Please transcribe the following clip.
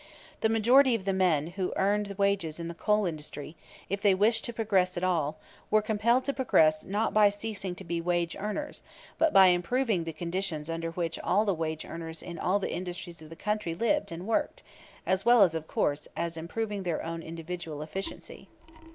The majority of the men who earned wages in the coal industry, if they wished to progress at all, were compelled to progress not by ceasing to be wage earners, but by improving the conditions under which all the wage earners in all the industries of the country lived and worked, as well of course, as improving their own individual efficiency.